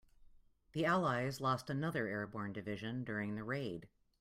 The allies lost another airborne division during the raid.